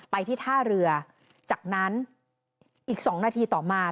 ไปที่ท่าเรือจากนั้นอีก๒นาทีต่อมา